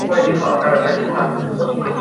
其中彗莲更是一直暗恋武零斗。